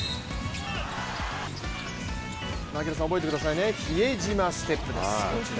槙原さん、覚えてくださいね比江島ステップです。